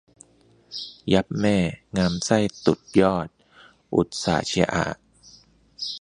ยับแม่ งามไส้ตุดยอด อุตส่าห์เชียร์อ่า